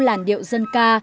làn điệu dân ca